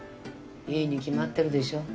いいに決まってるでしょ。